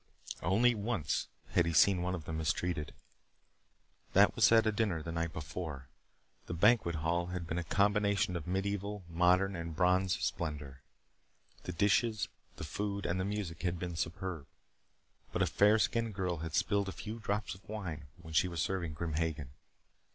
Only once had he seen one of them mistreated. That was at a dinner the night before. The banquet hall had been a combination of medieval, modern, and Brons' splendor. The dishes, the food, and the music had been superb. But a fair skinned girl had spilled a few drops of wine when she was serving Grim Hagen.